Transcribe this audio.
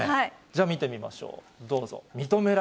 じゃ、見てみましょう。